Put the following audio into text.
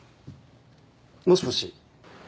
もしもし。